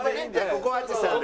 ここは淳さんで。